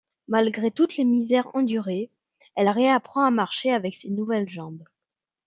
Malgré toutes les misères endurées, elle réapprend à marcher avec ses nouvelles jambes.